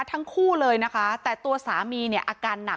ทั้งคู่เลยนะคะแต่ตัวสามีเนี่ยอาการหนัก